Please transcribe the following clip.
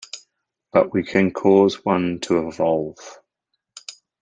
But we can cause one to evolve.